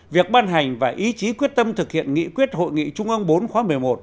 việc ban hành và ý chí quyết tâm thực hiện nghị quyết hội nghị trung ương bốn khóa một mươi một